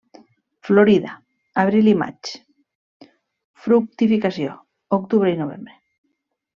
Florida: abril i maig; fructificació: octubre i novembre.